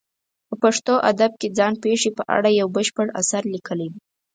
په پښتو ادب کې ځان پېښې په اړه یو بشپړ اثر لیکلی دی.